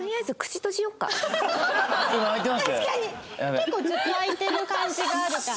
結構ずっと開いてる感じがあるかな。